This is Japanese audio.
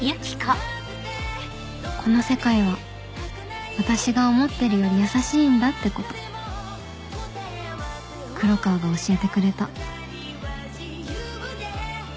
この世界は私が思ってるより優しいんだってこと黒川が教えてくれた